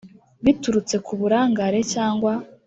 biturutse ku burangare cyangwa